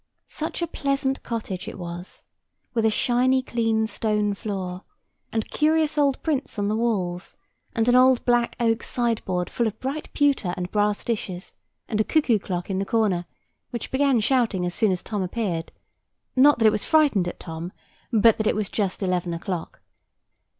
Such a pleasant cottage it was, with a shiny clean stone floor, and curious old prints on the walls, and an old black oak sideboard full of bright pewter and brass dishes, and a cuckoo clock in the corner, which began shouting as soon as Tom appeared: not that it was frightened at Tom, but that it was just eleven o'clock.